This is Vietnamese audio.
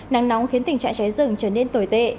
nắng nóng khiến tình trạng cháy rừng trở nên tồi tệ